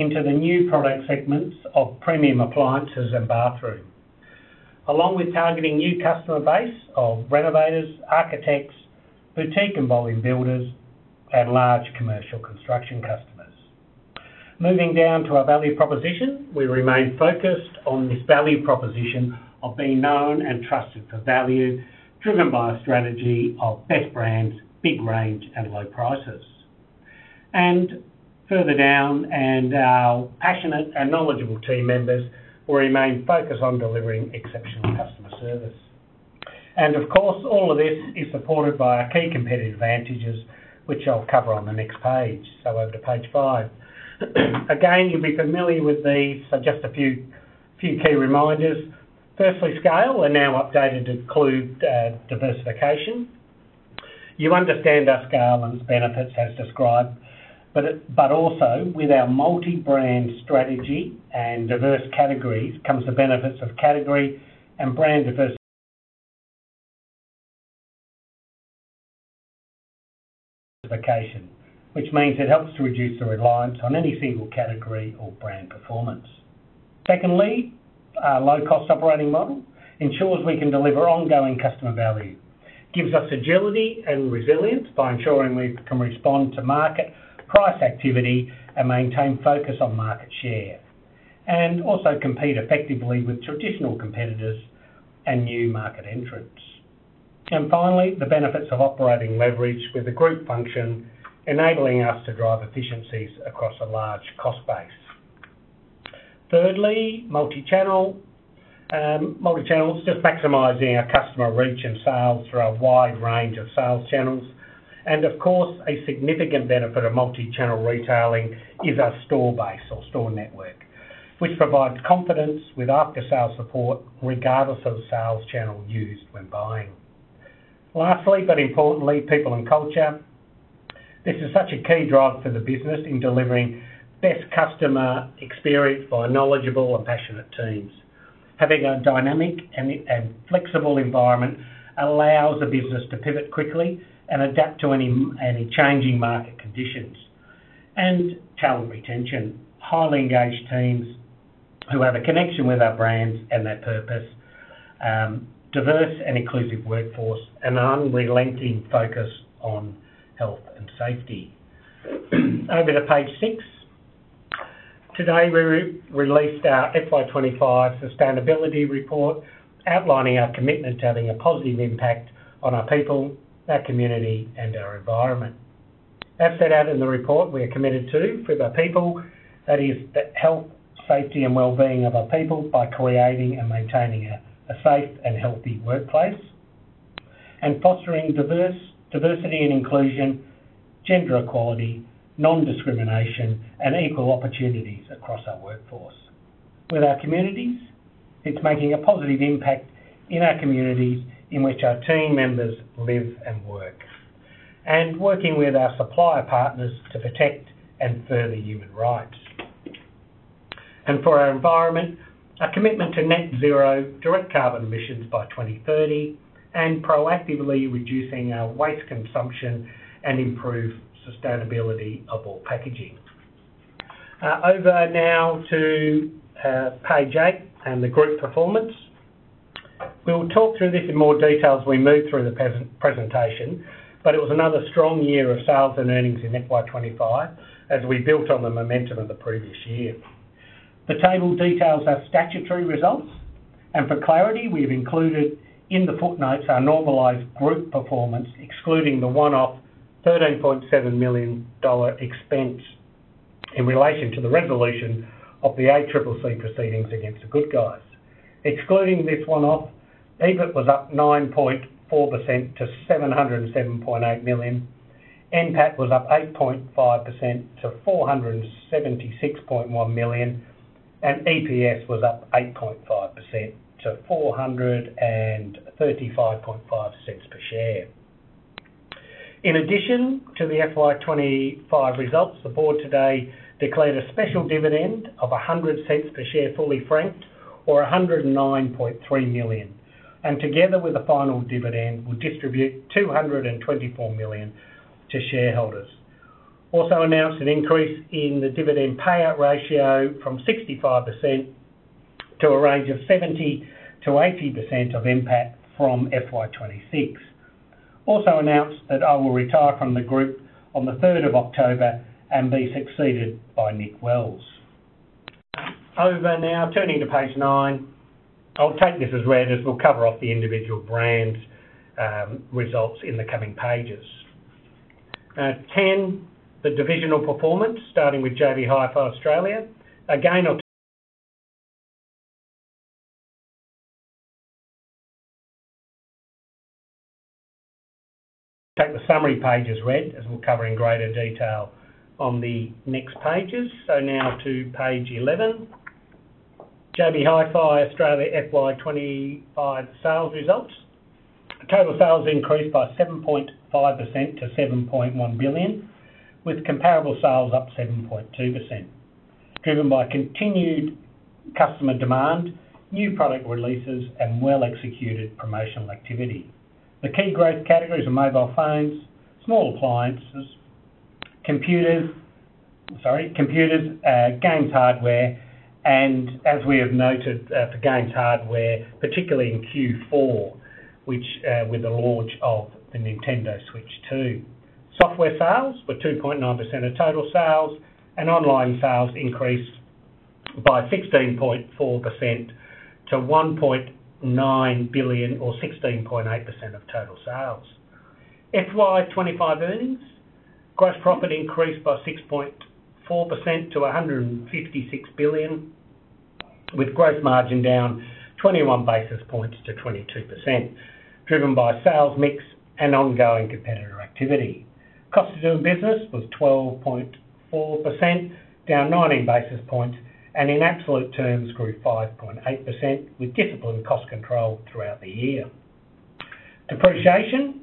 Into the new product segments of premium appliances and bathroom, along with targeting a new customer base of renovators, architects, boutique-involving builders, and large commercial construction customers. Moving down to our value proposition, we remain focused on this value proposition of being known and trusted for value, driven by a strategy of best brands, big range, and low prices. Further down, our passionate and knowledgeable team members will remain focused on delivering exceptional customer service. Of course, all of this is supported by our key competitive advantages, which I'll cover on the next page. Over to page five. Again, you'll be familiar with these, just a few key reminders. Firstly, scale and now updated to include diversification. You understand our scale and its benefits as described, but also with our multi-brand retail operations strategy and diverse categories comes the benefits of category and brand diversification, which means it helps to reduce the reliance on any single category or brand performance. Secondly, our low-cost operating model ensures we can deliver ongoing customer value. It gives us agility and resilience by ensuring we can respond to market price activity and maintain focus on market share, and also compete effectively with traditional competitors and new market entrants. Finally, the benefits of operating leverage with a group function, enabling us to drive efficiencies across a large cost base. Thirdly, multi-channel. Multi-channel is just maximizing our customer reach and sales through a wide range of sales channels. A significant benefit of multi-channel retailing is our store base or store network, which provides confidence with after-sales support regardless of the sales channel used when buying. Lastly, but importantly, people and culture. This is such a key drive for the business in delivering best customer experience for our knowledgeable and passionate teams. Having a dynamic and flexible environment allows the business to pivot quickly and adapt to any changing market conditions. Talent retention. Highly engaged teams who have a connection with our brands and their purpose. Diverse and inclusive workforce and an unrelenting focus on health and safety. Over to page six. Today, we released our 2025 sustainability report outlining our commitment to having a positive impact on our people, our community, and our environment. As set out in the report, we are committed to, for the people, that is the health, safety, and wellbeing of our people by creating and maintaining a safe and healthy workplace, and fostering diversity and inclusion, gender equality, non-discrimination, and equal opportunities across our workforce. With our communities, it's making a positive impact in our communities in which our team members live and work, and working with our supply partners to protect and further human rights. For our environment, a commitment to net zero direct carbon emissions by 2030 and proactively reducing our waste consumption and improving sustainability of all packaging. Over now to page eight and the group performance. We'll talk through this in more detail as we move through the presentation. It was another strong year of sales and earnings in FY 2025 as we built on the momentum of the previous year. The table details our statutory results. For clarity, we have included in the footnotes our normalised group performance, excluding the one-off $13.7 million expense in relation to the resolution of the ACCC proceedings against The Good Guys. Excluding this one-off, EBIT was up 9.4% to $707.8 million, NPAT was up 8.5% to $476.1 million, and EPS was up 8.5% to $435.5 per share. In addition to the FY 2025 results, the board today declared a special dividend of $1.00 per share fully franked, or $109.3 million. Together with the final dividend, we'll distribute $224 million to shareholders. Also announced an increase in the dividend payout ratio from 65% to a range of 70%-80% of NPAT from FY 2026. Also announced that I will retire from the group on the 3rd of October and be succeeded by Nick Wells. Over now, turning to page nine, I'll take this as read as we'll cover off the individual brand results in the coming pages. Now, 10, the divisional performance, starting with JB Hi-Fi Australia. Again, I'll take the summary pages as read as we'll cover in greater detail on the next pages. So now to page 11. JB Hi-Fi Australia FY 2025 sales results. The total sales increased by 7.5% to $7.1 billion, with comparable sales up 7.2%, driven by continued customer demand, new product releases, and well-executed promotional activity. The key growth categories are mobile phones, small appliances, computers, games hardware, and as we have noted, for games hardware, particularly in Q4, with the launch of the Nintendo Switch 2. Software sales were 2.9% of total sales, and online sales increased by 16.4% to $1.9 billion, or 16.8% of total sales. FY 2025 earnings, gross profit increased by 6.4% to $156 billion, with gross margin down 21 basis points to 22%, driven by sales mix and ongoing competitive activity. Cost of doing business was 12.4%, down 19 basis points, and in absolute terms grew 5.8% with disciplined cost control throughout the year. Depreciation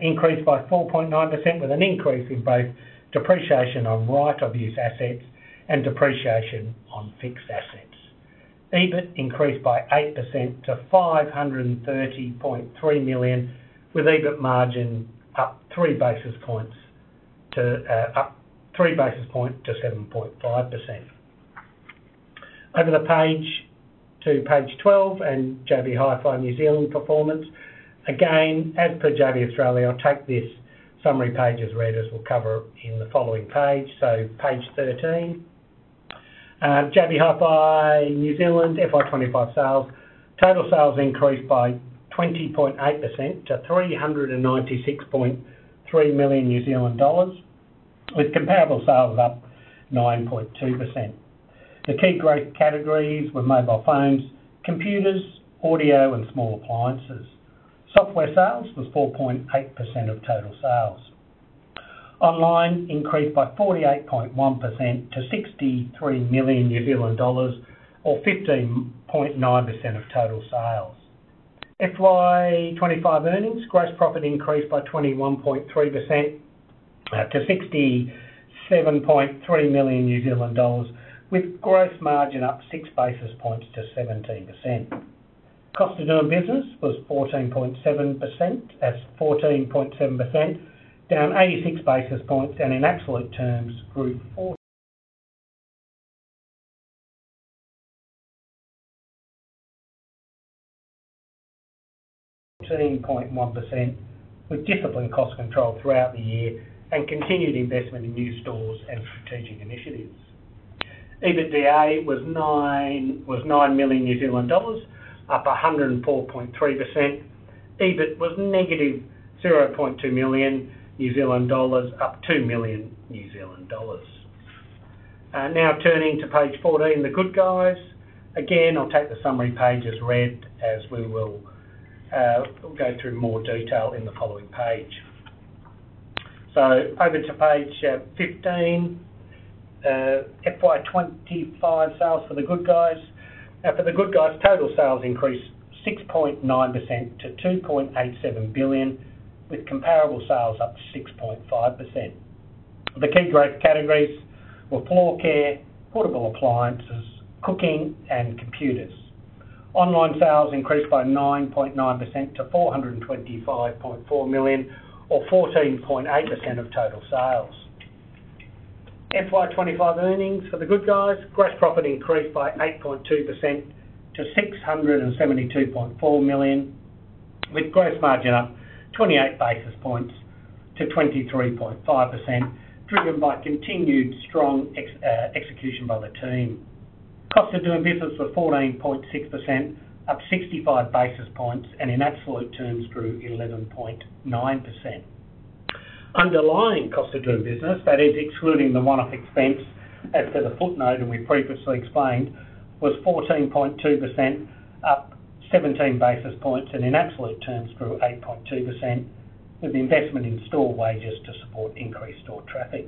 increased by 4.9% with an increase in both depreciation on right of use assets and depreciation on fixed assets. EBIT increased by 8% to $530.3 million, with EBIT margin up 3 basis points to 7.5%. Over the page to page 12 and JB Hi-Fi New Zealand performance. Again, as per JB Hi-Fi Australia, I'll take this summary pages read as we'll cover in the following page. Page 13. JB Hi-Fi New Zealand FY 2025 sales, total sales increased by 20.8% to 396.3 million New Zealand dollars, with comparable sales up 9.2%. The key growth categories were mobile phones, computers, audio, and small appliances. Software sales were 4.8% of total sales. Online increased by 48.1% to 63 million New Zealand dollars, or 15.9% of total sales. FY 2025 earnings, gross profit increased by 21.3% to 67.3 million New Zealand dollars, with gross margin up 6 basis points to 17%. Cost of doing business was 14.7%, down 86 basis points, and in absolute terms grew 14.1% with disciplined cost control throughout the year and continued investment in new stores and strategic initiatives. EBITDA was 9 million New Zealand dollars, up 104.3%. EBIT was -0.2 million New Zealand dollars, up to 2 million New Zealand dollars. Now turning to page 14, The Good Guys. I'll take the summary pages read as we will go through more detail in the following page. Over to page 15. FY 2025 sales for The Good Guys. For The Good Guys, total sales increased 6.9% to $2.87 billion, with comparable sales up 6.5%. The key growth categories were floor care, portable appliances, cooking, and computers. Online sales increased by 9.9% to $425.4 million, or 14.8% of total sales. FY 2025 earnings for The Good Guys, gross profit increased by 8.2% to $672.4 million, with gross margin up 28 basis points to 23.5%, driven by continued strong execution by the team. Cost of doing business was 14.6%, up 65 basis points, and in absolute terms grew 11.9%. Underlying cost of doing business, that is excluding the one-off expense as to the footnote and we previously explained, was 14.2%, up 17 basis points, and in absolute terms grew 8.2% with the investment in store wages to support increased store traffic.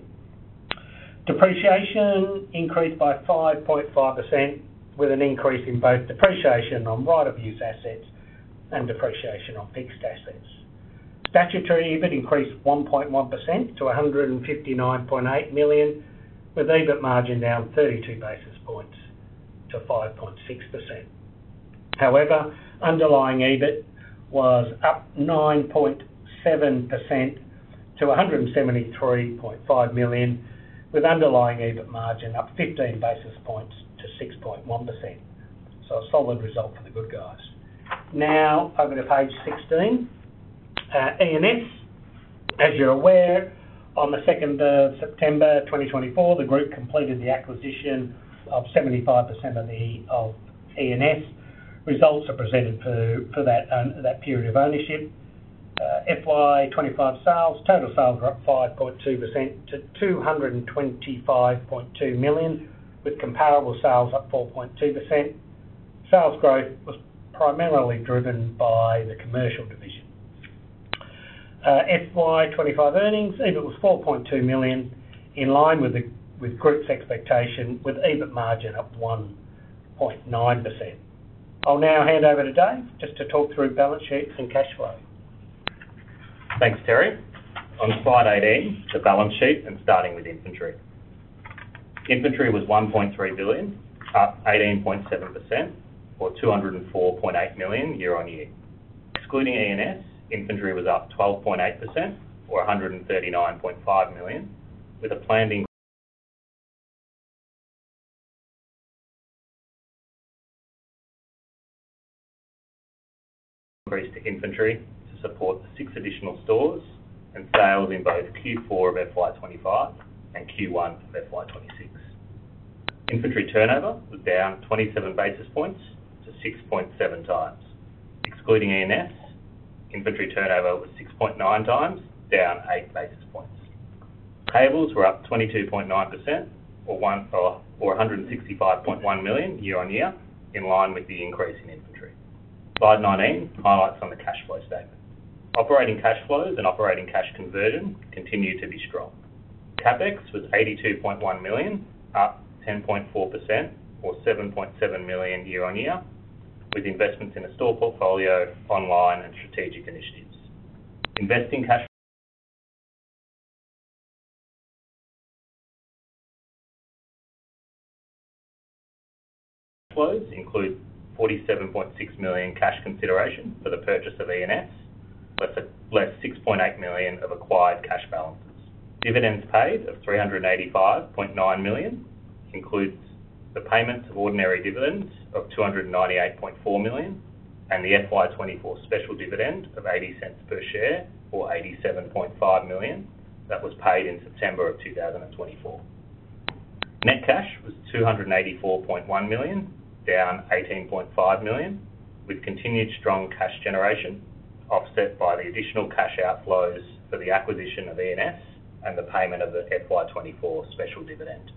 Depreciation increased by 5.5% with an increase in both depreciation on right of use assets and depreciation on fixed assets. Statutory EBIT increased 1.1% to $159.8 million, with EBIT margin down 32 basis points to 5.6%. However, underlying EBIT was up 9.7% to $173.5 million, with underlying EBIT margin up 15 basis points to 6.1%. A solid result for The Good Guys. Now over to page 16. e&s. As you're aware, on the 2nd of September 2024, the group completed the acquisition of 75% of e&s. Results are presented for that period of ownership. FY 2025 sales, total sales were up 5.2% to $225.2 million, with comparable sales up 4.2%. Sales growth was primarily driven by the commercial division. FY 2025 earnings, EBIT was $4.2 million, in line with the group's expectation with EBIT margin up 1.9%. I'll now hand over to Dave just to talk through balance sheet and cash flow. Thanks, Terry. On slide 18, the balance sheet and starting with inventory. Inventory was $1.3 billion, up 18.7% or $204.8 million year on year. Excluding e&s, inventory was up 12.8% or $139.5 million, with a planned increase to inventory to support six additional stores and sales in both Q4 of FY 2025 and Q1 of FY 2026. Inventory turnover was down 27 basis points to 6.7x. Excluding e&s, inventory turnover was 6.9x, down 8 basis points. Payables were up 22.9% or $165.1 million year on year, in line with the increase in inventory. Slide 19 highlights on the cash flow statement. Operating cash flows and operating cash conversion continue to be strong. CapEx was $82.1 million, up 10.4% or $7.7 million year on year, with investments in the store portfolio, online, and strategic initiatives. Investing cash flows include $47.6 million cash consideration for the purchase of e&s, but less $6.8 million of acquired cash balances. Dividends paid of $385.9 million include the payments of ordinary dividends of $298.4 million and the FY 2024 special dividend of $0.80 per share or $87.5 million that was paid in September of 2024. Net cash was $284.1 million, down $18.5 million, with continued strong cash generation offset by the additional cash outflows for the acquisition of e&s and the payment of the FY 2024 special dividend.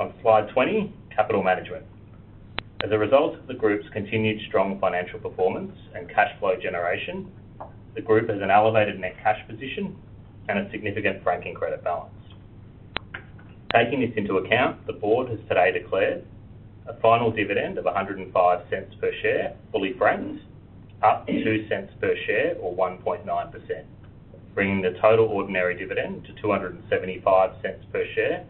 On slide 20, capital management. As a result of the group's continued strong financial performance and cash flow generation, the group has an elevated net cash position and a significant franking credit balance. Taking this into account, the board has today declared a final dividend of $1.05 per share fully franked, up $0.02 per share or 1.9%, bringing the total ordinary dividend to $2.75 per share,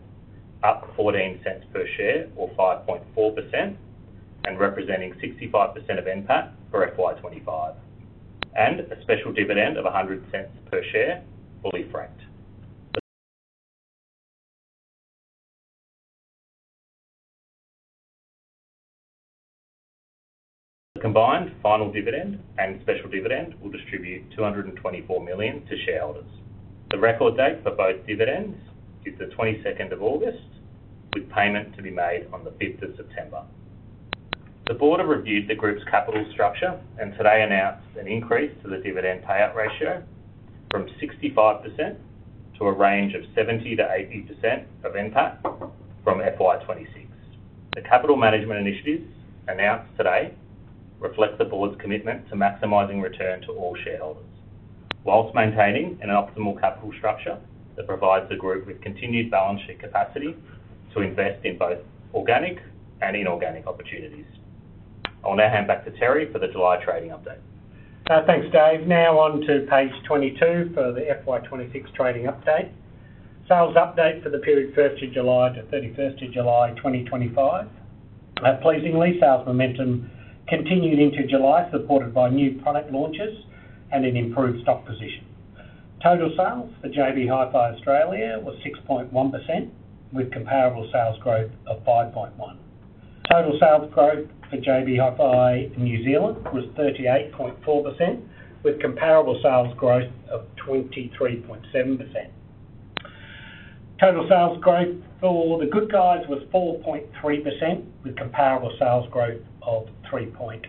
up $0.14 per share or 5.4%, and representing 65% of NPAT for FY 2025, and a special dividend of $1.00 per share fully franked. Combined final dividend and special dividend will distribute $224 million to shareholders. The record date for both dividends is the 22nd of August, with payment to be made on the 5th of September. The board reviewed the group's capital structure and today announced an increase to the dividend payout ratio from 65% to a range of 70%-80% of NPAT from FY 2026. The capital management initiatives announced today reflect the board's commitment to maximizing return to all shareholders, whilst maintaining an optimal capital structure that provides the group with continued balance sheet capacity to invest in both organic and inorganic opportunities. I'll now hand back to Terry for the July trading update. Thanks, Dave. Now on to page 22 for the FY 2026 trading update. Sales update for the period 1st of July to 31st of July 2025. Pleasingly, sales momentum continued into July, supported by new product launches and an improved stock position. Total sales for JB Hi-Fi Australia were 6.1%, with comparable sales growth of 5.1%. Total sales growth for JB Hi-Fi New Zealand was 38.4%, with comparable sales growth of 23.7%. Total sales growth for The Good Guys was 4.3%, with comparable sales growth of 3.8%,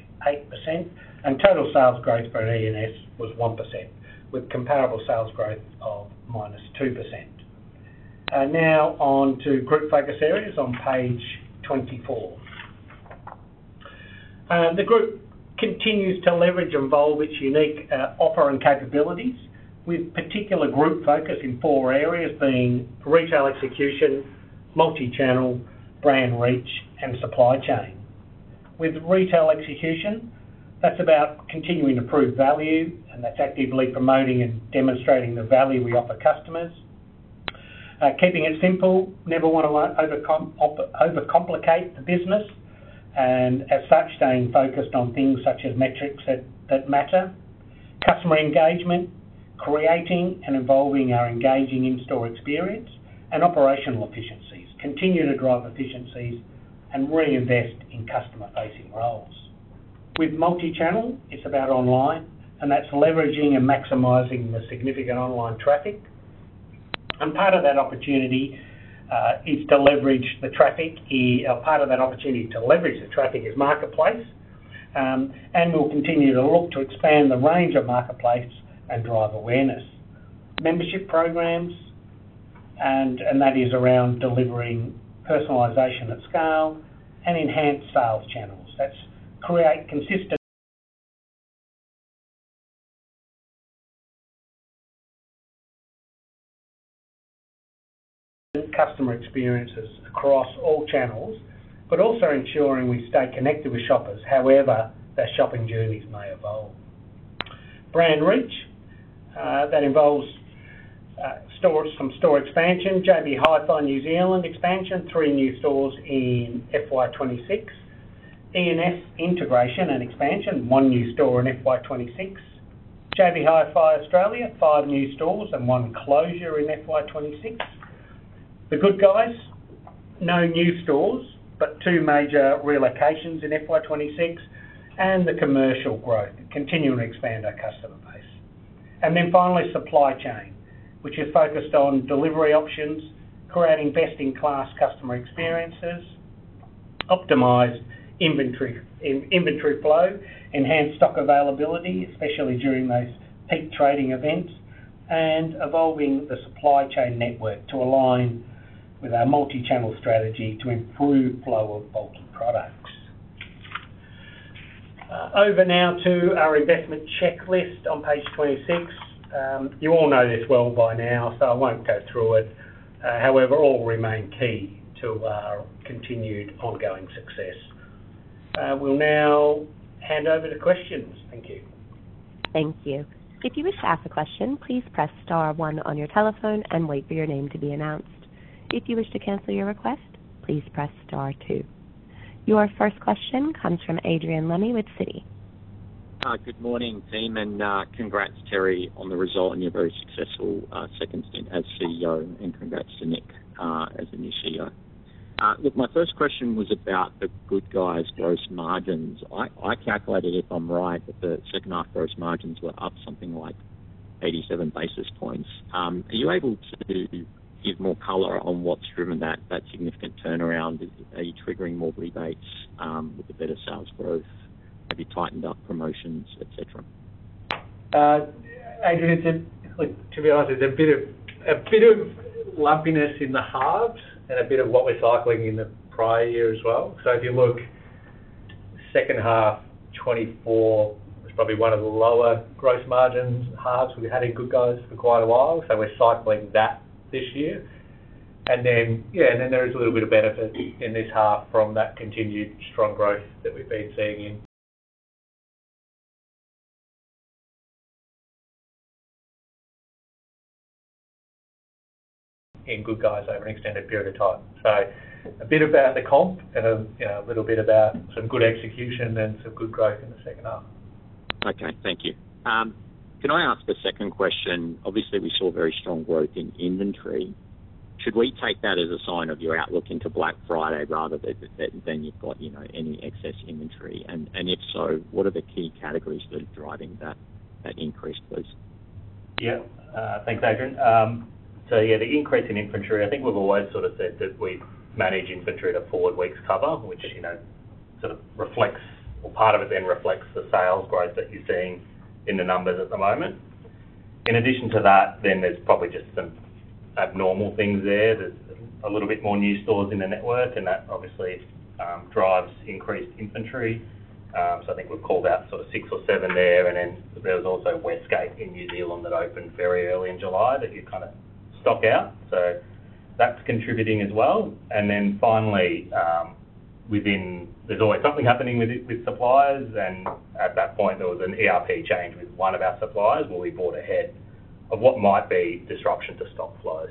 and total sales growth for e&s was 1%, with comparable sales growth of -2%. Now on to group focus areas on page 24. The group continues to leverage and evolve its unique offer and capabilities, with particular group focus in four areas being retail execution, multi-channel, brand reach, and supply chain. With retail execution, that's about continuing to prove value, and that's actively promoting and demonstrating the value we offer customers. Keeping it simple, never want to overcomplicate the business, and as such, staying focused on things such as metrics that matter, customer engagement, creating and evolving our engaging in-store experience, and operational efficiencies. Continue to drive efficiencies and reinvest in customer-facing roles. With multi-channel, it's about online, and that's leveraging and maximizing the significant online traffic. Part of that opportunity to leverage the traffic is marketplace, and we'll continue to look to expand the range of marketplace and drive awareness. Membership programs, and that is around delivering personalization at scale and enhanced sales channels. That's creating consistent customer experiences across all channels, but also ensuring we stay connected with shoppers however their shopping journeys may evolve. Brand reach, that involves store expansion, JB Hi-Fi New Zealand expansion, three new stores in FY 2026, e&s integration and expansion, one new store in FY 2026, JB Hi-Fi Australia, five new stores and one closure in FY 2026. The Good Guys, no new stores, but two major relocations in FY 2026, and the commercial growth, continuing to expand our customer base. Finally, supply chain, which is focused on delivery options, creating best-in-class customer experiences, optimizing inventory flow, enhancing stock availability, especially during those peak trading events, and evolving the supply chain network to align with our multi-channel strategy to improve flow of bulk products. Over now to our investment checklist on page 26. You all know this well by now, so I won't go through it. However, all remain key to our continued ongoing success. We'll now hand over to questions. Thank you. Thank you. If you wish to ask a question, please press star one on your telephone and wait for your name to be announced. If you wish to cancel your request, please press star two. Your first question comes from Adrian Lemme with Citi. Good morning, team, and congrats, Terry, on the result and your very successful second stint as CEO, and congrats to Nick as the new CEO. My first question was about The Good Guys' gross margins. I calculated, if I'm right, that the second half gross margins were up something like 87 basis points. Are you able to give more color on what's driven that significant turnaround? Are you triggering more rebates with the better sales growth? Have you tightened up promotions, etc.? Adrian, to be honest, there's a bit of lumpiness in the halves and a bit of what we're cycling in the prior year as well. If you look, the second half, 2024, was probably one of the lower gross margins halves we've had in The Good Guys for quite a while, so we're cycling that this year. There is a little bit of benefit in this half from that continued strong growth that we've been seeing in The Good Guys over an extended period of time. It's a bit about the comp and a little bit about some good execution and some good growth in the second half. Okay, thank you. Can I ask the second question? Obviously, we saw very strong growth in inventory. Should we take that as a sign of your outlook into Black Friday rather than you've got, you know, any excess inventory? If so, what are the key categories that are driving that increase, please? Yeah, thanks, Adrian. The increase in inventory, I think we've always sort of said that we manage inventory to forward weeks cover, which is, you know, sort of reflects, or part of it then reflects the sales growth that you're seeing in the numbers at the moment. In addition to that, there's probably just some abnormal things there. There's a little bit more new stores in the network, and that obviously drives increased inventory. I think we've called out sort of six or seven there, and there was also a wet skate in New Zealand that opened very early in July that you kind of stock out. That's contributing as well. Finally, within, there's always something happening with suppliers, and at that point, there was an ERP change with one of our suppliers where we bought ahead of what might be disruption to stock flow.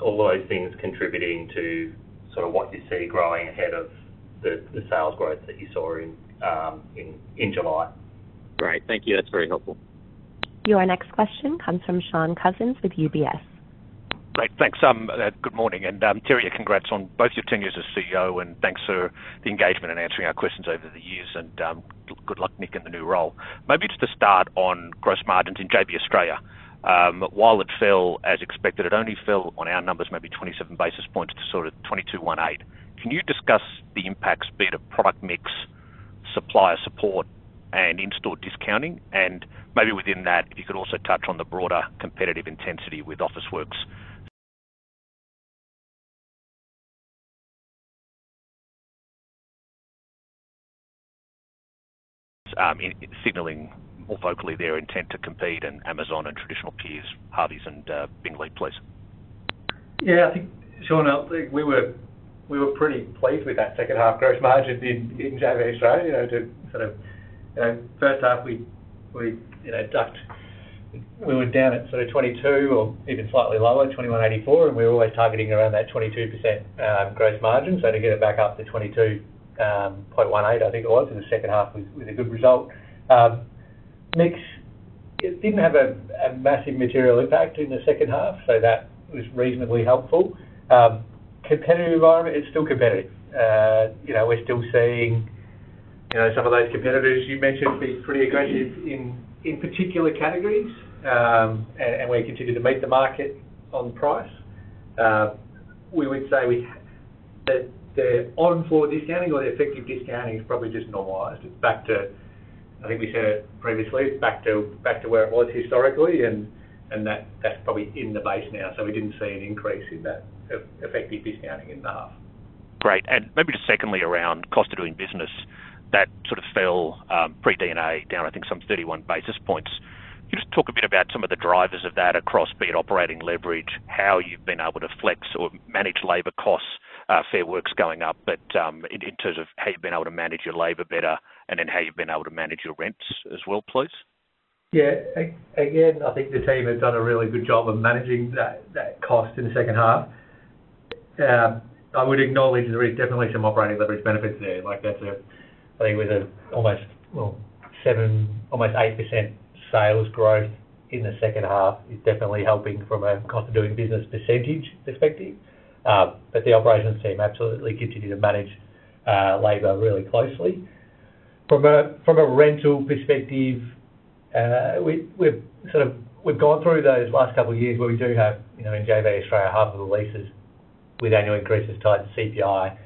All those things are contributing to sort of what you see growing ahead of the sales growth that you saw in July. Right, thank you. That's very helpful. Your next question comes from Shaun Cousins with UBS. Thanks. Good morning, and Terry, congrats on both your tenure as CEO, and thanks for the engagement in answering our questions over the years, and good luck, Nick, in the new role. Maybe just to start on gross margins in JB Hi-Fi Australia. While it fell as expected, it only fell on our numbers, maybe 27 basis points to sort of 22.18%. Can you discuss the impacts of product mix, supplier support, and in-store discounting? If you could also touch on the broader competitive intensity with Officeworks signaling more vocally their intent to compete in Amazon and traditional peers, Harvey and Bing Lee please. Yeah, I think, Shaun, we were pretty pleased with that second half gross margin in JB Hi-Fi Australia. The first half, we were down at sort of 22% or even slightly lower, 21.84%, and we were always targeting around that 22% gross margin. To get it back up to 22.18%, I think it was in the second half, was a good result. Mix didn't have a massive material impact in the second half, so that was reasonably helpful. Competitive environment, it's still competitive. We're still seeing some of those competitors you mentioned be pretty aggressive in particular categories and we continue to meet the market on price. We would say that the on-floor discounting or the effective discounting is probably just normalized. It's back to, I think we said previously, it's back to where it was historically, and that's probably in the base now. We didn't see an increase in that effective discounting in the half. Great. Maybe just secondly around cost of doing business, that sort of fell pre-D&A down, I think some 31 basis points. Could you just talk a bit about some of the drivers of that across, be it operating leverage, how you've been able to flex or manage labor costs, Fair Work's going up, but in terms of how you've been able to manage your labor better and then how you've been able to manage your rents as well, please? Yeah, again, I think the team have done a really good job of managing that cost in the second half. I would acknowledge there is definitely some operating leverage benefits there. That's a, I think with almost, well, 7, almost 8% sales growth in the second half, it's definitely helping from a cost of doing business percentage perspective. The operations team absolutely continue to manage labor really closely. From a rental perspective, we've sort of gone through those last couple of years where we do have, you know, in JB Hi-Fi Australia, half of the leases with annual increases tied to CPI.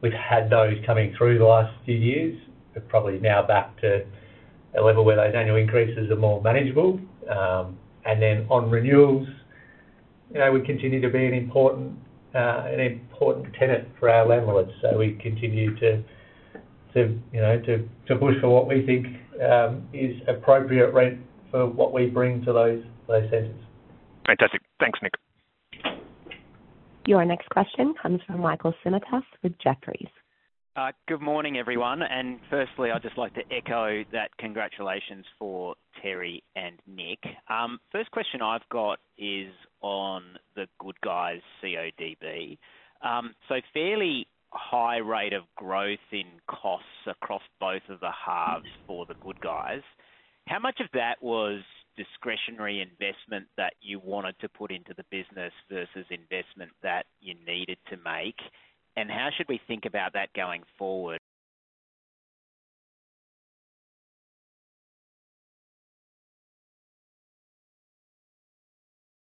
We've had those coming through the last few years. We're probably now back to a level where those annual increases are more manageable. On renewals, you know, we continue to be an important, an important tenant for our landlords. We continue to, you know, to push for what we think is appropriate rent for what we bring to those sessions. Fantastic. Thanks, Nick. Your next question comes from Michael Simotas with Jefferies. Good morning, everyone. Firstly, I'd just like to echo that congratulations for Terry and Nick. First question I've got is on The Good Guys' CODB. Fairly high rate of growth in costs across both of the halves for The Good Guys. How much of that was discretionary investment that you wanted to put into the business versus investment that you needed to make? How should we think about that going forward?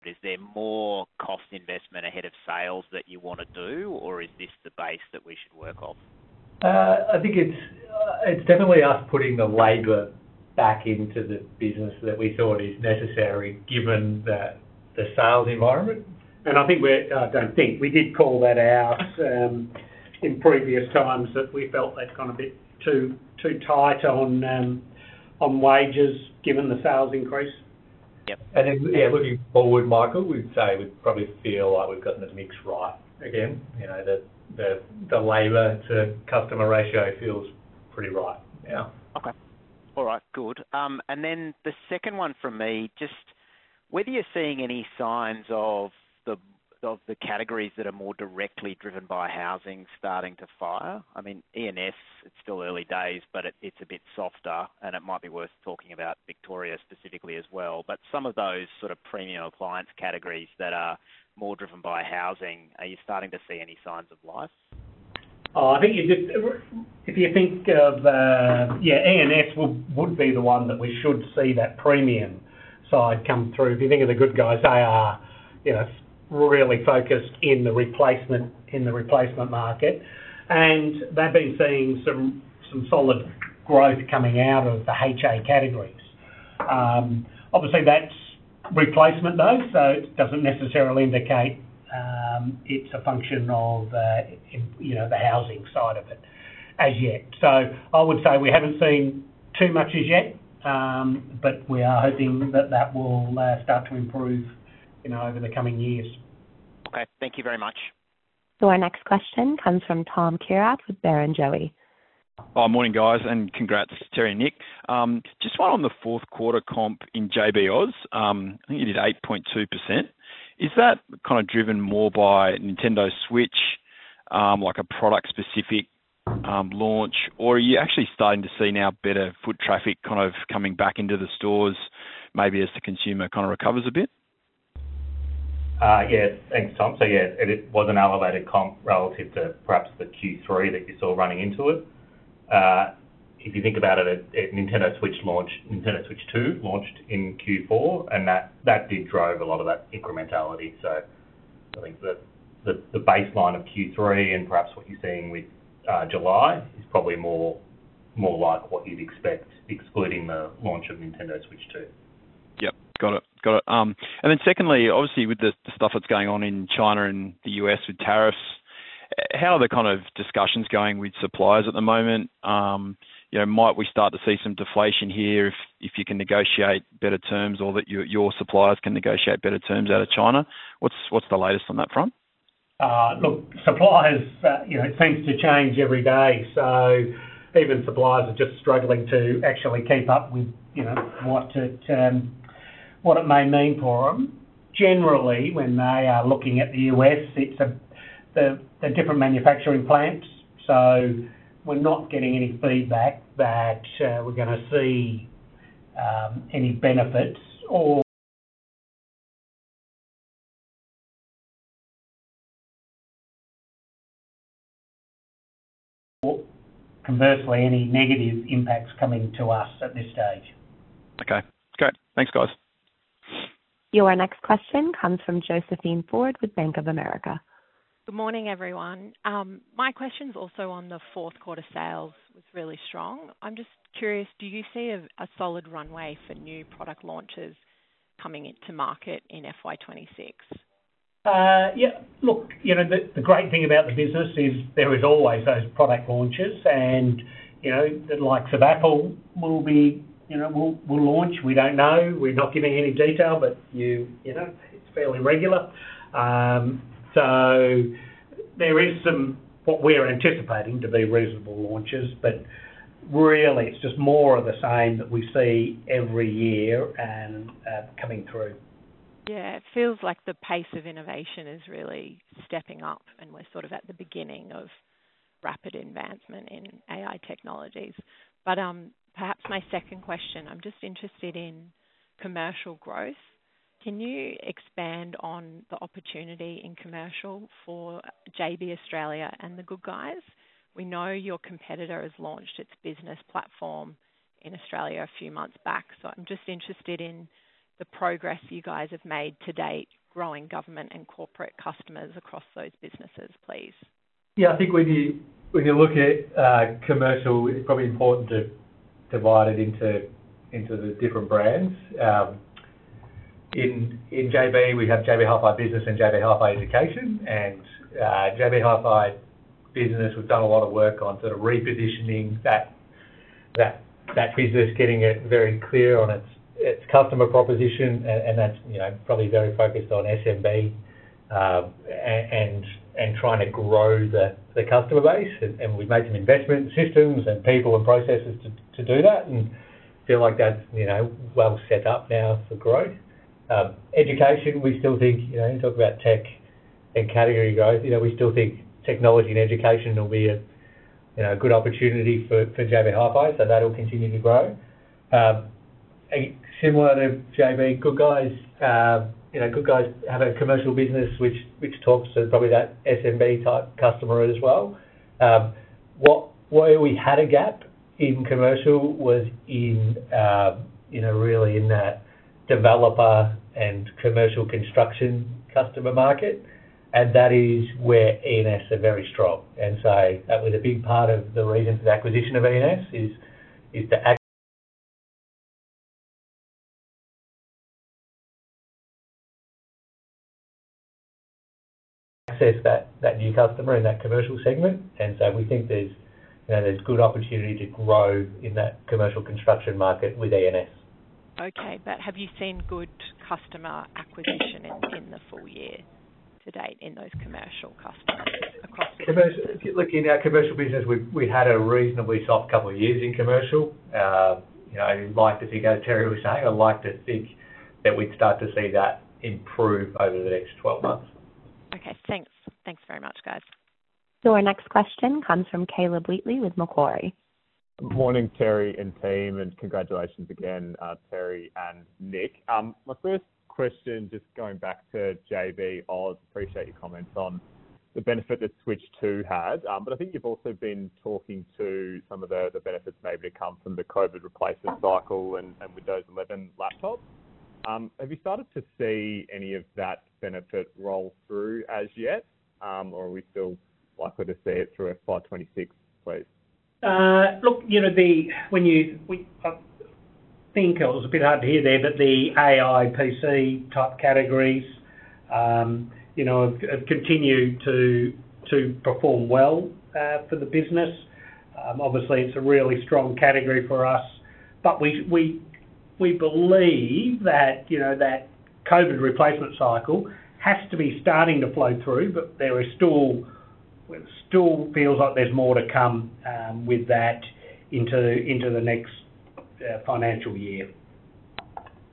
Is there more cost investment ahead of sales that you want to do, or is this the base that we should work off? I think it's definitely us putting the labor back into the business that we thought is necessary given the sales environment. I don't think we did call that out in previous times that we felt that's gone a bit too tight on wages given the sales increase. Yeah, looking forward, Michael, we'd say we probably feel like we've gotten the mix right again. You know, the labor to customer ratio feels pretty right now. Okay. All right. Good. The second one for me, just whether you're seeing any signs of the categories that are more directly driven by housing starting to fire. I mean, e&s, it's still early days, but it's a bit softer, and it might be worth talking about Victoria specifically as well. Some of those sort of premium appliance categories that are more driven by housing, are you starting to see any signs of life? I think if you think of the, yeah, e&s would be the one that we should see that premium side come through. If you think of The Good Guys, they are, you know, really focused in the replacement in the market. They've been seeing some solid growth coming out of the HA categories. Obviously, that's replacement though, so it doesn't necessarily indicate it's a function of, you know, the housing side of it as yet. I would say we haven't seen too much as yet, but we are hoping that that will start to improve over the coming years. Okay, thank you very much. Our next question comes from Tom Kierath with Barrenjoey. Oh, morning guys, and congrats Terry and Nick. Just one on the fourth quarter comp in JB Hi-Fi Australia. I think you did 8.2%. Is that kind of driven more by Nintendo Switch, like a product-specific launch, or are you actually starting to see now better foot traffic kind of coming back into the stores maybe as the consumer kind of recovers a bit? Yeah, thanks Tom. It was an elevated comp relative to perhaps the Q3 that you saw running into it. If you think about it, Nintendo Switch 2 launched in Q4, and that did drive a lot of that incrementality. I think that the baseline of Q3 and perhaps what you're seeing with July is probably more like what you'd expect, excluding the launch of Nintendo Switch 2. Got it. Secondly, obviously with the stuff that's going on in China and the U.S. with tariffs, how are the kind of discussions going with suppliers at the moment? You know, might we start to see some deflation here if you can negotiate better terms or that your suppliers can negotiate better terms out of China? What's the latest on that front? Look, suppliers, you know, it seems to change every day. Even suppliers are just struggling to actually keep up with, you know, what it may mean for them. Generally, when they are looking at the U.S., it's the different manufacturing plants. We're not getting any feedback that we're going to see any benefits or conversely any negative impacts coming to us at this stage. Okay, great. Thanks, guys. Your next question comes from Josephine Forde with Bank of America. Good morning, everyone. My question's also on the fourth quarter sales was really strong. I'm just curious, do you see a solid runway for new product launches coming into market in FY 2026? Yeah, look, the great thing about the business is there is always those product launches, and the likes of Apple will launch. We don't know. We're not giving any detail, but it's fairly regular. There is some what we're anticipating to be reasonable launches, but really, it's just more of the same that we see every year and coming through. Yeah, it feels like the pace of innovation is really stepping up, and we're sort of at the beginning of rapid advancement in AI technologies. Perhaps my second question, I'm just interested in commercial growth. Can you expand on the opportunity in commercial for JB Hi-Fi Australia and The Good Guys? We know your competitor has launched its business platform in Australia a few months back. I'm just interested in the progress you guys have made to date growing government and corporate customers across those businesses, please. Yeah, I think when you look at commercial, it's probably important to divide it into the different brands. In JB, we have JB Hi-Fi Business and JB Hi-Fi Education. JB Hi-Fi Business, we've done a lot of work on sort of repositioning that business, getting it very clear on its customer proposition, and that's probably very focused on SMB and trying to grow the customer base. We've made some investment in systems and people and processes to do that and feel like that's well set up now for growth. Education, we still think, talk about tech and category growth, we still think technology and education will be a good opportunity for JB Hi-Fi, so that'll continue to grow. Similar to JB, The Good Guys have a commercial business which is probably that SMB type customer as well. Where we had a gap in commercial was really in that developer and commercial construction customer market, and that is where e&s are very strong. That was a big part of the reason for the acquisition of e&s, to access that new customer in that commercial segment. We think there's good opportunity to grow in that commercial construction market with e&s. Okay, have you seen good customer acquisition in the full year to date in those commercial customers? Look, in our commercial business, we had a reasonably soft couple of years in commercial. I'd like to see, Terry was saying, I'd like to think that we'd start to see that improve over the next 12 months. Okay, thanks. Thanks very much, guys. Your next question comes from Caleb Wheatley with Macquarie. Morning, Terry and team, and congratulations again, Terry and Nick. My first question, just going back to JB, I appreciate your comments on the benefit that Switch 2 had, but I think you've also been talking to some of the benefits maybe to come from the COVID replacement cycle and Windows 11 laptops. Have you started to see any of that benefit roll through as yet, or are we still likely to see it through FY 2026, please? Look, when you, I think it was a bit hard to hear there, but the AI-enabled PCs type categories have continued to perform well for the business. Obviously, it's a really strong category for us, but we believe that COVID replacement cycle has to be starting to flow through, but it still feels like there's more to come with that into the next financial year.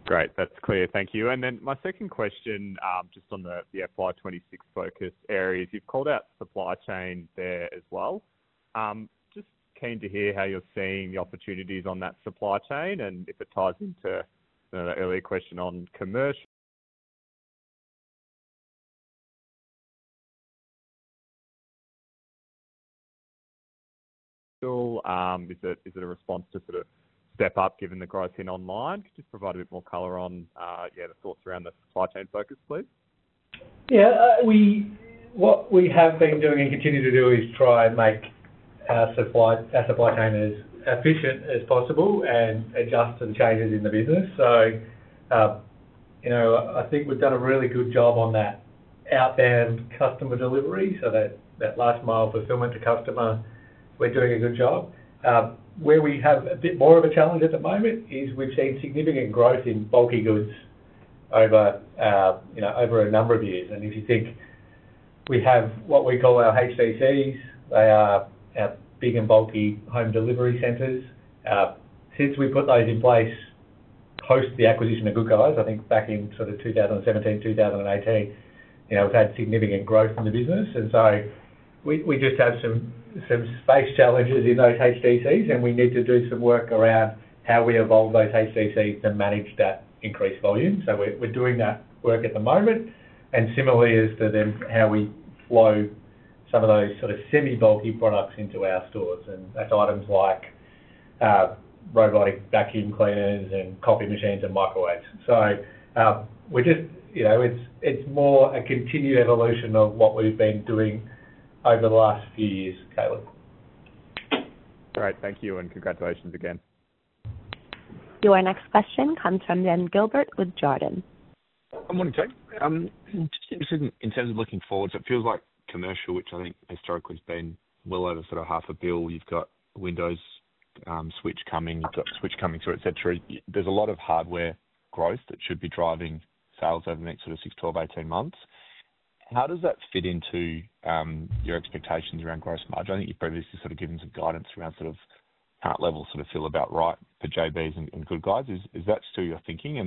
Great, that's clear. Thank you. My second question, just on the FY 2026 focus areas, you've called out supply chain there as well. Just keen to hear how you're seeing the opportunities on that supply chain and if it ties into the earlier question on commercial. Is it a response to sort of step up given the growth in online? Could you just provide a bit more color on the thoughts around the supply chain focus, please? Yeah, what we have been doing and continue to do is try and make our supply chain as efficient as possible and adjust to the changes in the business. I think we've done a really good job on that outbound customer delivery, so that last mile fulfillment to customer, we're doing a good job. Where we have a bit more of a challenge at the moment is we've seen significant growth in bulky goods over a number of years. If you think we have what we call our HDCs, they are our big and bulky home delivery centers. Since we put those in place post the acquisition of The Good Guys, I think back in 2017, 2018, we've had significant growth in the business. We just have some space challenges in those HDCs, and we need to do some work around how we evolve those HDCs to manage that increased volume. We're doing that work at the moment. Similarly, as to then how we flow some of those sort of semi-bulky products into our stores, and that's items like robotic vacuum cleaners and coffee machines and microwaves. It's more a continued evolution of what we've been doing over the last few years, Caleb. Great, thank you, and congratulations again. Your next question comes from Ben Gilbert with Jarden. [Morning team]. I'm just interested in terms of looking forward. It feels like commercial, which I think historically has been well over sort of half a billion. You've got Nintendo Switch 2 coming, you've got Switch coming through, et cetera. There's a lot of hardware growth that should be driving sales over the next 6, 12, 18 months. How does that fit into your expectations around gross margin? I think you've previously given some guidance around sort of heart level sort of feel about right for JB Hi-Fi Australia and The Good Guys. Is that still your thinking?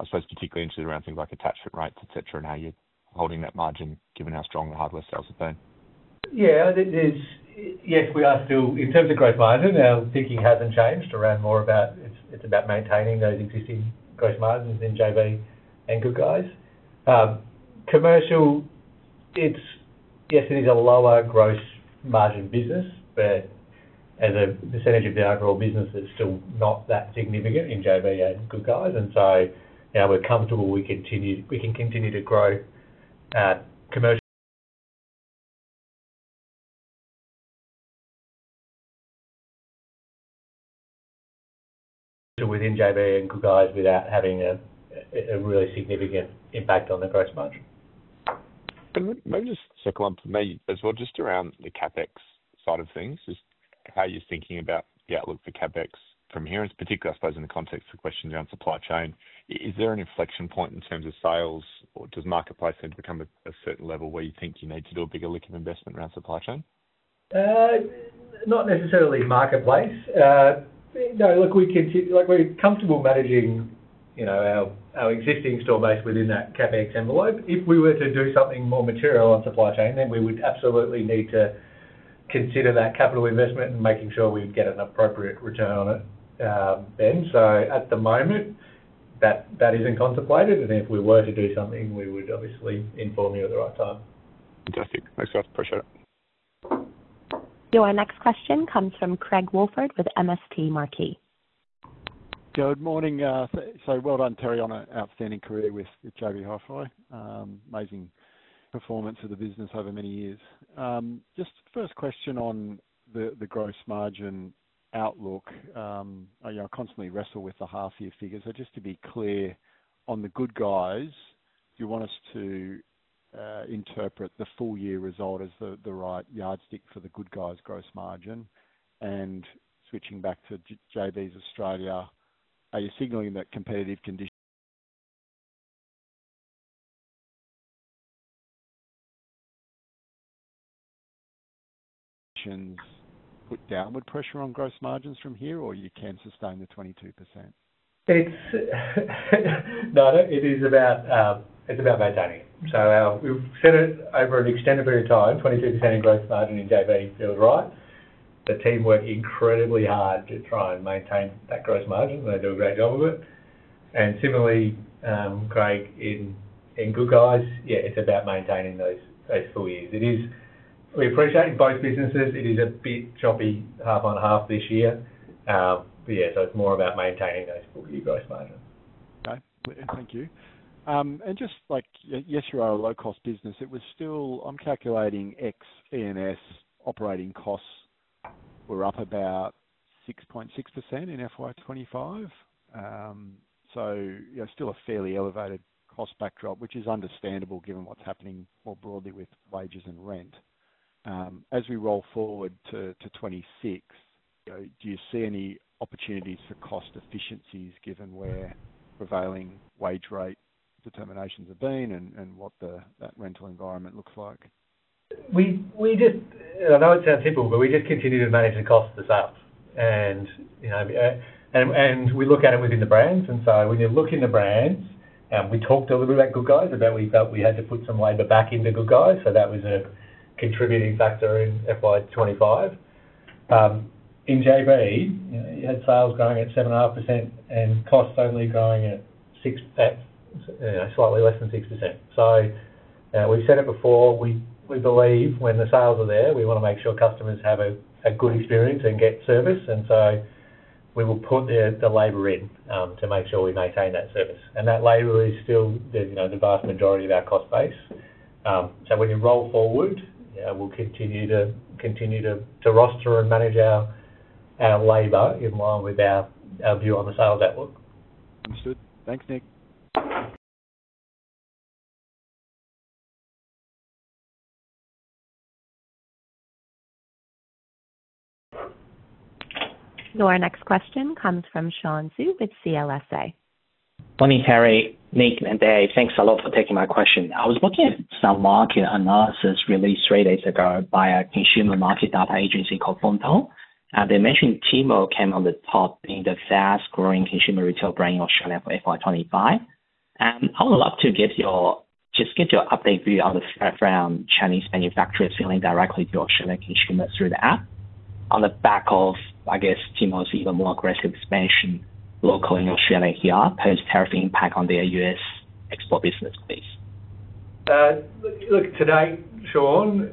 I suppose particularly interested around things like attachment rates, et cetera, and how you're holding that margin given how strong the hardware sales have been. Yes, we are still, in terms of gross margin, our thinking hasn't changed around more about, it's about maintaining those existing gross margins in JB Hi-Fi Australia and The Good Guys. Commercial, it's, yes, it is a lower gross margin business, but as a percentage of the overall business, it's still not that significant in JB Hi-Fi Australia and The Good Guys. We are comfortable we can continue to grow commercial within JB Hi-Fi Australia and The Good Guys without having a really significant impact on the gross margin. Maybe just second one for me as well, just around the CapEx side of things, just how you're thinking about the outlook for CapEx from here, and particularly I suppose in the context of questions around supply chain. Is there an inflection point in terms of sales, or does marketplace tend to become a certain level where you think you need to do a bigger lick of investment around supply chain? Not necessarily marketplace. No, look, we're comfortable managing our existing store base within that CapEx envelope. If we were to do something more material on supply chain, we would absolutely need to consider that capital investment and making sure we'd get an appropriate return on it. At the moment, that isn't contemplated, and if we were to do something, we would obviously inform you at the right time. Fantastic. Thanks, guys. Appreciate it. Your next question comes from Craig Woolford with MST Marquee. Good morning. Well done, Terry, on an outstanding career with JB Hi-Fi. Amazing performance of the business over many years. First question on the gross margin outlook. I constantly wrestle with the half-year figure. Just to be clear, on The Good Guys, do you want us to interpret the full-year result as the right yardstick for The Good Guys gross margin? Switching back to JB Hi-Fi Australia, are you signaling that competitive conditions put downward pressure on gross margins from here, or you can sustain the 22%? No, it's about maintaining. We've said it over an extended period of time, 22% in gross margin in JB, you're right. The team worked incredibly hard to try and maintain that gross margin. They do a great job of it. Similarly, Craig in The Good Guys, yeah, it's about maintaining those full years. We appreciate in both businesses, it is a bit choppy half on half this year, but yeah, it's more about maintaining those full-year gross margins. Okay, thank you. Yes, you are a low-cost business. It was still, I'm calculating ex-e&s operating costs were up about 6.6% in FY 2025. You know, still a fairly elevated cost backdrop, which is understandable given what's happening more broadly with wages and rent. As we roll forward to 2026, you know, do you see any opportunities for cost efficiencies given where prevailing wage rate determinations have been and what that rental environment looks like? I know it sounds simple, but we just continue to manage the costs ourselves. You know, we look at them within the brands. When you look in the brands, we talked a little bit about The Good Guys, about how we felt we had to put some labor back into The Good Guys, so that was a contributing factor in FY 2025. In JB, you had sales growing at 7.5% and costs only growing at 6%, slightly less than 50%. We've said it before, we believe when the sales are there, we want to make sure customers have a good experience and get service. We will put the labor in to make sure we maintain that service. That labor is still the vast majority of our cost base. When you roll forward, we'll continue to roster and manage our labor in line with our view on the sales outlook. Understood. Thanks, Nick. Your next question comes from Sean Xu with CLSA. [Morning] Harry, Nick, and Dave, thanks a lot for taking my question. I was looking at some market analysis released three days ago by a consumer market data agency called Fonto. They mentioned Temu came on the top in the fast-growing consumer retail brand in Australia for FY 2025. I would love to get your update view on the threat from Chinese manufacturers selling directly to Australian consumers through the app on the back of, I guess, Temu's even more aggressive expansion locally in Australia here post-terrific impact on their U.S. export business case. Look, today, Sean,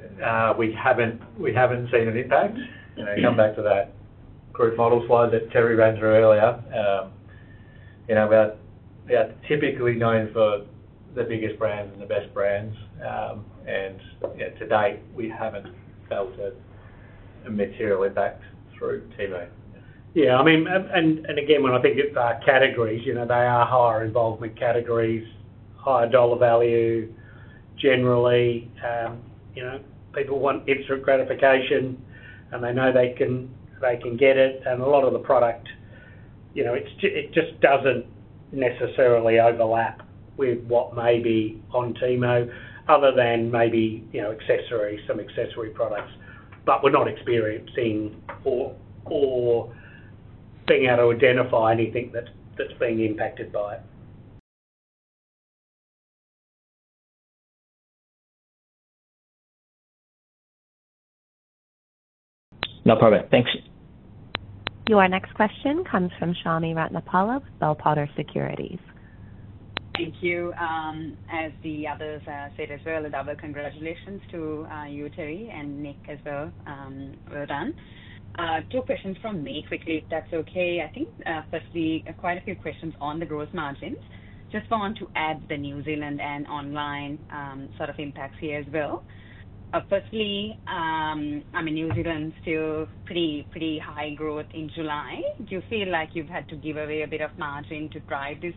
we haven't seen an impact. You know, come back to that group model slide that Terry ran through earlier. We're typically known for the biggest brands and the best brands. Yeah, to date, we haven't felt a material impact through Temu. I mean, when I think about categories, they are higher involvement categories, higher dollar value. Generally, people want instant gratification, and they know they can get it. A lot of the product just doesn't necessarily overlap with what may be on Temu other than maybe, you know, accessories, some accessory products. We're not experiencing or being able to identify anything that's being impacted by it. No problem. Thanks. Your next question comes from Chami Ratnapala with Bell Potter Securities. Thank you. As the others said as well, congratulations to you, Terry, and Nick as well. Well done. Two questions from me quickly, if that's okay. I think firstly, quite a few questions on the gross margins. Just want to add the New Zealand and online sort of impacts here as well. Firstly, I mean, New Zealand's still pretty high growth in July. Do you feel like you've had to give away a bit of margin to drive this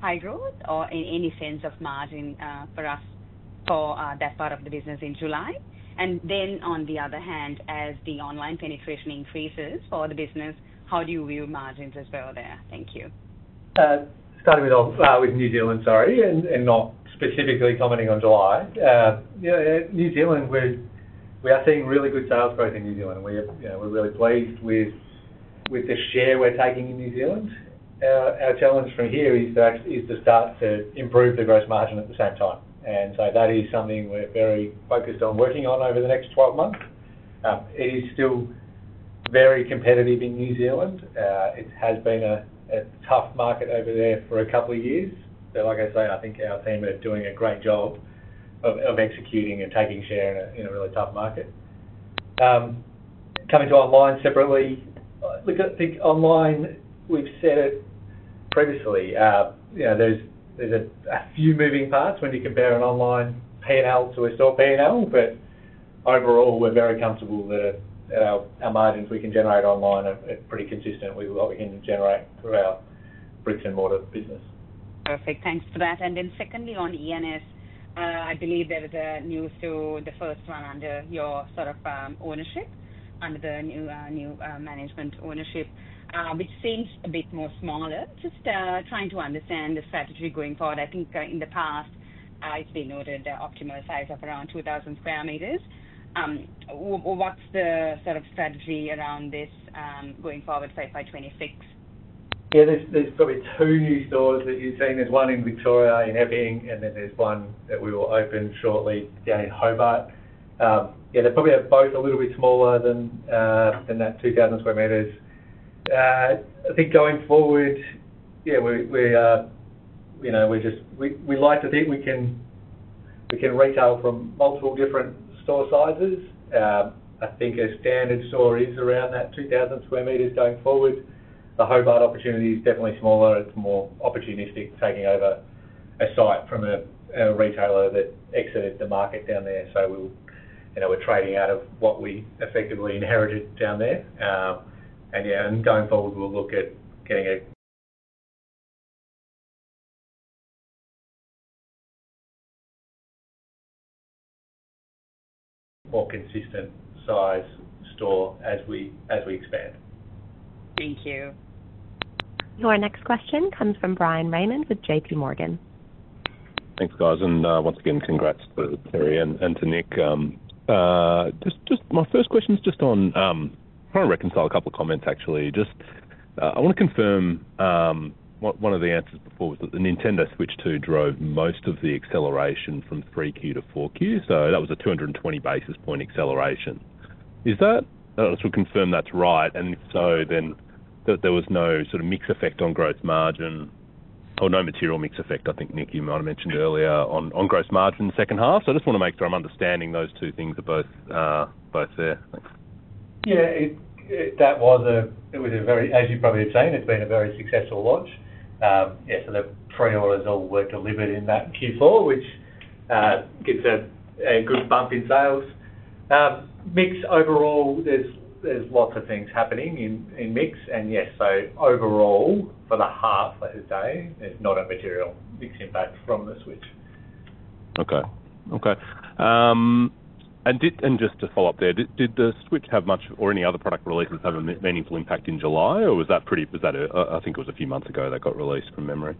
high growth or any sense of margin for us for that part of the business in July? On the other hand, as the online penetration increases for the business, how do you view margins as well there? Thank you. Starting with New Zealand, and not specifically commenting on July. You know, New Zealand, we are seeing really good sales growth in New Zealand. We're really pleased with the share we're taking in New Zealand. Our challenge from here is to actually start to improve the gross margin at the same time. That is something we're very focused on working on over the next 12 months. It is still very competitive in New Zealand. It has been a tough market over there for a couple of years. I think our team are doing a great job of executing and taking share in a really tough market. Coming to online separately, look, I think online, we've said it previously, you know, there's a few moving parts when you compare an online P&L to a store P&L, but overall, we're very comfortable that our margins we can generate online are pretty consistent with what we can generate through our bricks and mortar business. Perfect. Thanks for that. Secondly, on e&s, I believe there is a new store, the first one under your sort of ownership, under the new management ownership, which seems a bit more smaller. Just trying to understand the strategy going forward. I think in the past, it's been noted the optimal size of around 2,000 sq m. What's the sort of strategy around this going forward for FY 2026? Yeah, there's probably two new stores that you've seen. There's one in Victoria in Epping, and then there's one that we will open shortly down in Hobart. They're probably both a little bit smaller than that 2,000 sq m. I think going forward, we like to think we can retail from multiple different store sizes. I think a standard store is around that 2,000 sq m going forward. The Hobart opportunity is definitely smaller. It's more opportunistic, taking over a site from a retailer that exited the market down there. We're trading out of what we effectively inherited down there. Going forward, we'll look at getting a more consistent size store as we expand. Thank you. Your next question comes from Bryan Raymond with JPMorgan. Thanks, guys. Once again, congrats to Terry and to Nick. My first question's just on, I'm trying to reconcile a couple of comments, actually. I want to confirm what one of the answers before was, that the Nintendo Switch 2 drove most of the acceleration from 3Q to 4Q. That was a 220 basis point acceleration. I don't know, just want to confirm that's right. If so, there was no sort of mix effect on gross margin or no material mix effect, I think Nick, you might have mentioned earlier on gross margin second half. I just want to make sure I'm understanding those two things are both there. Yeah, it was a very, as you probably have seen, it's been a very successful launch. The pre-orders all were delivered in that Q4, which gives a good bump in sales. Mix overall, there's lots of things happening in mix. Yes, overall for the half, I would say there's not a material mix impact from the Switch. Okay. Just to follow up there, did the Nintendo Switch 2 have much, or any other product releases have a meaningful impact in July, or was that pretty, was that a, I think it was a few months ago that got released from memory?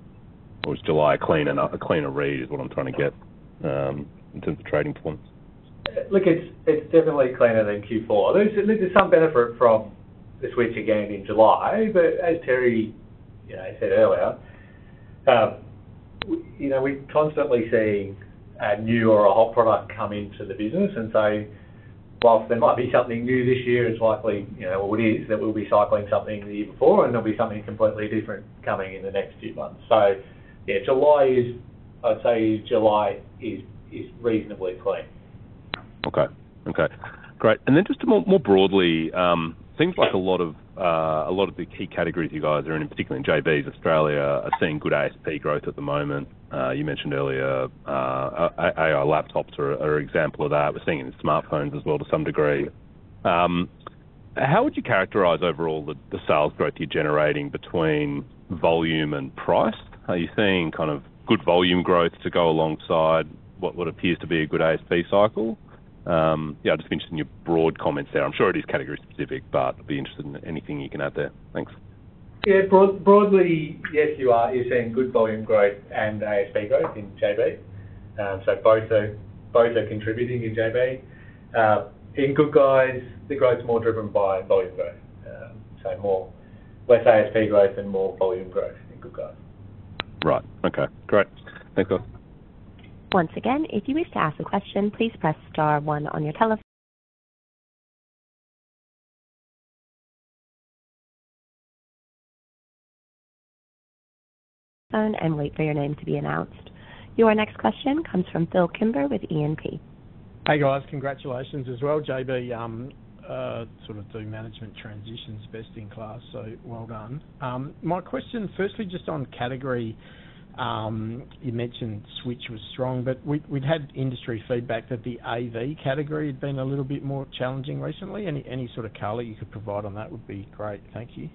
Was July a cleaner read is what I'm trying to get in terms of trading points? Look, it's definitely cleaner than Q4. There's some benefit from the Switch again in July, but as Terry, you know, said earlier, we're constantly seeing a new or a hot product come into the business. Whilst there might be something new this year, it's likely, you know, or it is that we'll be cycling something the year before, and there'll be something completely different coming in the next few months. July is, I'd say July is reasonably clean. Okay. Great. And then just more broadly, it seems like a lot of the key categories you guys are in, particularly in JB Hi-Fi Australia, are seeing good ASP growth at the moment. You mentioned earlier AI laptops are an example of that. We're seeing it in smartphones as well to some degree. How would you characterize overall the sales growth you're generating between volume and price? Are you seeing kind of good volume growth to go alongside what appears to be a good ASP cycle? I'm just interested in your broad comments there. I'm sure it is category specific, but I'd be interested in anything you can add there. Thanks. Yeah, broadly, yes, you are. You're seeing good volume growth and ASP growth in JB. Both are contributing in JB. In The Good Guys, the growth is more driven by volume growth, so less ASP growth and more volume growth in The Good Guys. Right. Okay. Great. Thanks, guys. Once again, if you wish to ask a question, please press star one on your telephone and wait for your name to be announced. Your next question comes from Phil Kimber with E&P. Hey guys, congratulations as well. JB sort of doing management transitions best in class, so well done. My question, firstly, just on category, you mentioned Switch was strong, but we'd had industry feedback that the AV category had been a little bit more challenging recently. Any sort of color you could provide on that would be great. Thank you.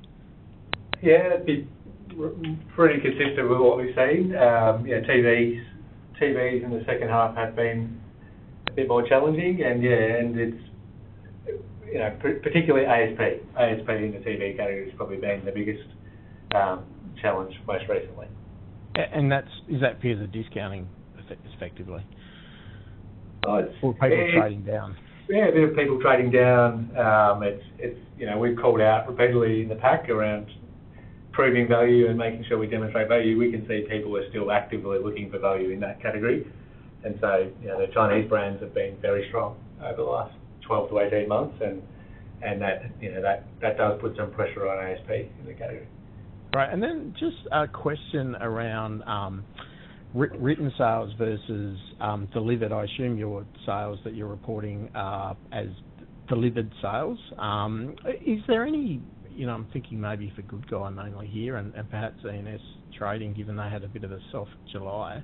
Yeah, it's been pretty consistent with what we've seen. TVs in the second half have been a bit more challenging, and it's, you know, particularly ASP. ASP in the TV goes probably being the biggest challenge most recently. Is that fear of the discounting effectively? Oh, it's full of people trading down. Yeah, a bit of people trading down. It's, you know, we've called out repeatedly in the pack around proving value and making sure we demonstrate value. We can see people are still actively looking for value in that category. The Chinese brands have been very strong over the last 12 months-18 months, and that does put some pressure on ASP in the category. Right. Just a question around written sales versus delivered. I assume your sales that you're reporting are delivered sales. Is there any, you know, I'm thinking maybe for The Good Guys mainly here and perhaps e&s, given they had a bit of a soft July.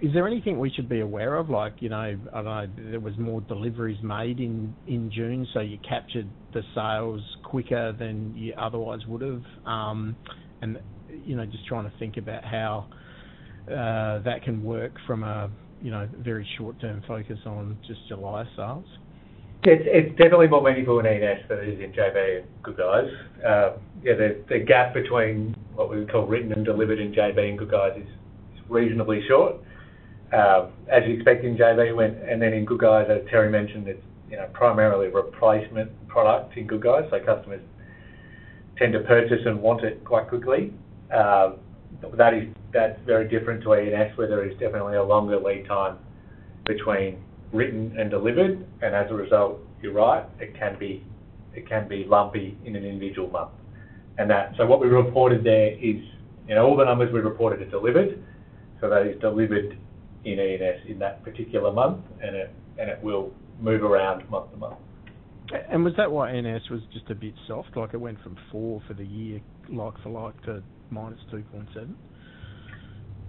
Is there anything we should be aware of? Like, you know, I don't know, there were more deliveries made in June, so you captured the sales quicker than you otherwise would have. Just trying to think about how that can work from a very short-term focus on just July sales. It's definitely more meaningful in e&s than it is in JB Hi-Fi Australia and The Good Guys. Yeah, the gap between what we would call written and delivered in JB Hi-Fi Australia and The Good Guys is reasonably short. As you'd expect in JB Hi-Fi Australia, and then in The Good Guys, as Terry mentioned, it's, you know, primarily a replacement product in The Good Guys, so customers tend to purchase and want it quite quickly. That is very different to e&s where there is definitely a longer lead time between written and delivered. As a result, you're right, it can be lumpy in an individual month. What we reported there is, you know, all the numbers we reported are delivered. That is delivered in e&s in that particular month, and it will move around month to month. Was that why e&s was just a bit soft? It went from 4% for the year, like for like, to -2.7%?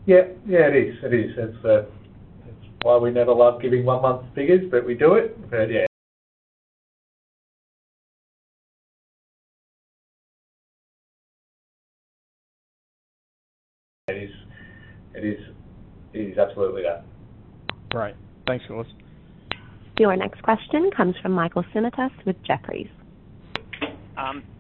Yeah, it is. That's why we never love giving one month figures, but we do it. Yeah, it is absolutely that. Right. Thanks so much. Your next question comes from Michael Simotas with Jefferies.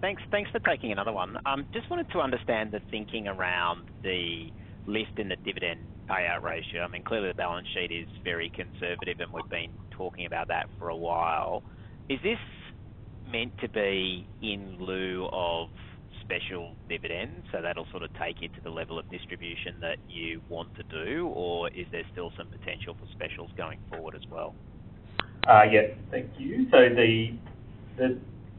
Thanks. Thanks for taking another one. Just wanted to understand the thinking around the lift in the dividend payout ratio. I mean, clearly the balance sheet is very conservative, and we've been talking about that for a while. Is this meant to be in lieu of special dividends? That'll sort of take you to the level of distribution that you want to do, or is there still some potential for specials going forward as well? Thank you.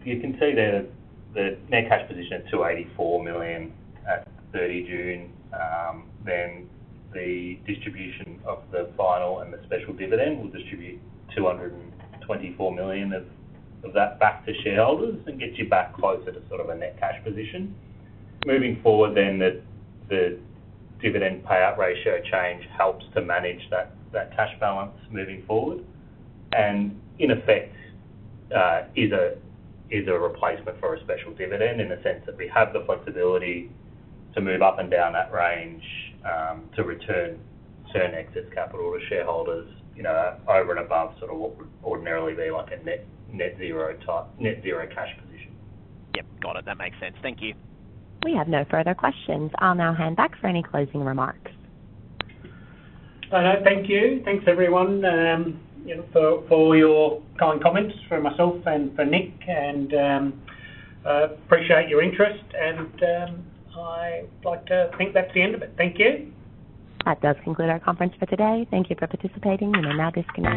You can see there's the net cash position of $284 million at 30 June. The distribution of the final and the special dividend will distribute $224 million of that back to shareholders and get you back closer to a net cash position. Moving forward, the dividend payout ratio change helps to manage that cash balance moving forward. In effect, it is a replacement for a special dividend in the sense that we have the flexibility to move up and down that range to return certain excess capital to shareholders, over and above what would ordinarily be like a net zero cash position. Yep, got it. That makes sense. Thank you. We have no further questions. I'll now hand back for any closing remarks. Thank you. Thanks everyone for all your kind comments for myself and for Nick, and I appreciate your interest. I'd like to think that's the end of it. Thank you. That does conclude our conference for today. Thank you for participating and you may now disconnect.